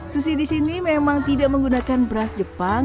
sushi disini memang tidak menggunakan beras jepang